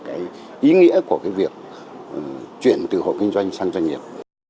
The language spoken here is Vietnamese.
cái ý nghĩa của cái việc chuyển từ hộ kinh doanh sang doanh nghiệp